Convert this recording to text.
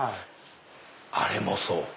あれもそう？